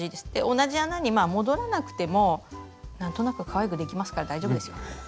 同じ穴に戻らなくても何となくかわいくできますから大丈夫ですよ。